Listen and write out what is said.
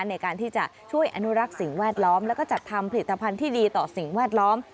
ในการที่จะช่วยอนุรักษ์สิ่งแวดล้อมแล้วก็จัดทำผลิตภัณฑ์ที่ดีต่อสิ่งแวดล้อม